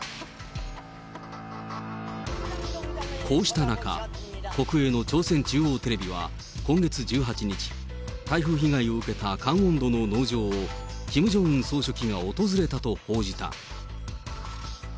こうした中、国営の朝鮮中央テレビは今月１８日、台風被害を受けたカンウォン道の農場を、キム・ジョンウン総書記が訪れたと報じた。